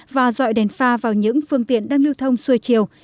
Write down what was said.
và dọi đèn pha vào những phương tiện đang lưu thông xuôi chiều